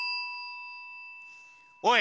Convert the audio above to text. おい。